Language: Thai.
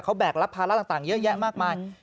เขาแบกรับภาระต่างเยอะแยะมากมาย